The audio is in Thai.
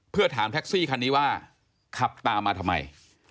เพื่อถามแท็กซี่คันนี้ว่าขับตามมาทำไม